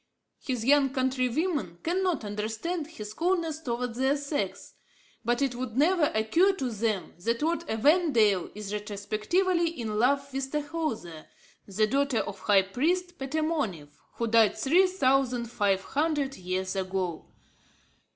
His young countrywomen cannot understand his coldness towards their sex. But it would never occur to them that Lord Evandale is retrospectively in love with Tahoser, the daughter of the high priest Petamounoph, who died three thousand five hundred years ago.